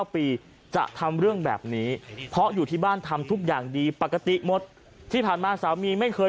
จะทำเรื่องแบบนี้เพราะอยู่ที่บ้านทำทุกอย่างดีปกติหมดที่ผ่านมาสามีไม่เคย